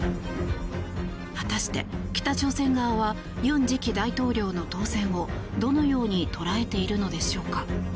果たして、北朝鮮側はユン次期大統領の当選をどのように捉えているのでしょうか。